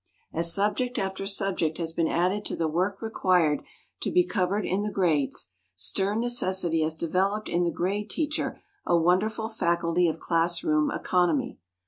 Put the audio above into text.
As subject after subject has been added to the work required to be covered in the grades, stern necessity has developed in the grade teacher a wonderful faculty of class room economy.